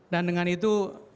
dan dengan itu